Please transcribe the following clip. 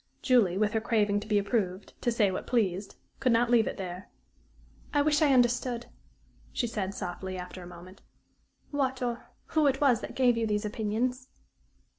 Julie, with her craving to be approved to say what pleased could not leave it there. "I wish I understood," she said, softly, after a moment, "what, or who it was that gave you these opinions."